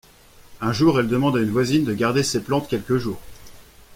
Un jour, elle demande à une voisine de garder ses plantes quelques jours.